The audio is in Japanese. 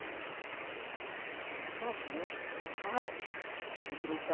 まずねこの皮をむきましょう。